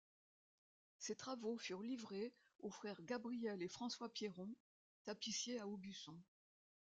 Ces travaux furent livrés aux frères Gabriel et François Pierron, tapissiers à Aubusson.